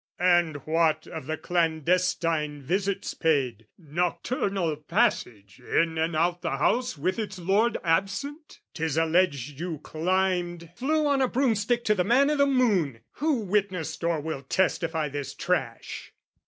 " And what of the clandestine visits paid, "Nocturnal passage in and out the house "With its lord absent? 'Tis alleged you climbed..." " Flew on a broomstick to the man i' the moon! "Who witnessed or will testify this trash?"